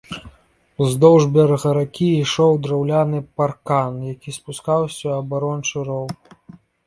Уздоўж берага ракі ішоў драўляны паркан, які спускаўся ў абарончы роў.